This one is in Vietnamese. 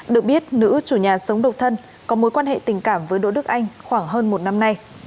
được biết nữ chủ nhà sống độc thân có mối quan hệ tình cảm với đỗ đức anh khoảng hơn một năm nay